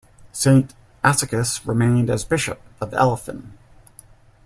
Saint Asicus remained as bishop of Elphin.